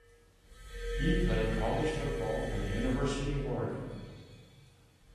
He played college football for the University of Oregon.